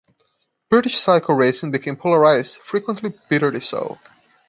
British cycle racing became polarised, frequently bitterly so.